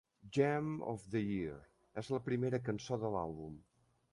"Jam of the Year" és la primera cançó de l'àlbum.